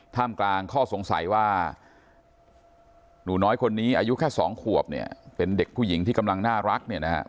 ท่ามกลางข้อสงสัยว่าหนูน้อยคนนี้อายุแค่๒ขวบเป็นเด็กผู้หญิงที่กำลังน่ารัก